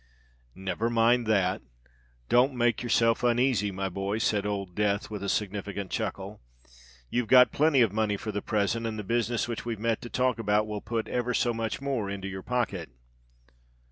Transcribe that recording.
"Never mind that—don't make yourself uneasy, my boy," said Old Death, with a significant chuckle. "You've got plenty of money for the present: and the business which we've met to talk about, will put ever so much more into your pocket."